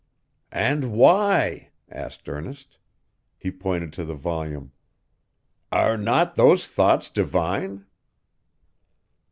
'And why?' asked Ernest. He pointed to the volume. 'Are not those thoughts divine?